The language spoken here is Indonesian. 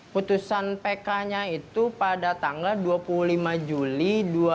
putusan pk nya itu pada tanggal dua puluh lima juli dua ribu dua puluh